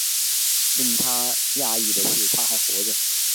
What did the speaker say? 令他讶异的是她还活着